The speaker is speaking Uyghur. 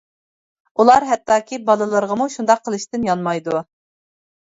ئۇلار ھەتتاكى بالىلىرىغىمۇ شۇنداق قىلىشتىن يانمايدۇ.